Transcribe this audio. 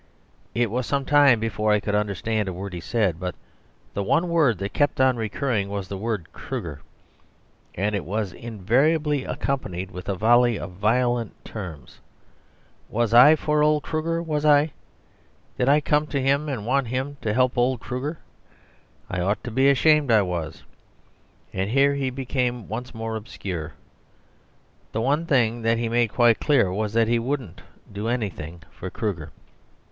It was some time before I could understand a word he said, but the one word that kept on recurring was the word "Kruger," and it was invariably accompanied with a volley of violent terms. Was I for old Kruger, was I? Did I come to him and want him to help old Kruger? I ought to be ashamed, I was... and here he became once more obscure. The one thing that he made quite clear was that he wouldn't do anything for Kruger.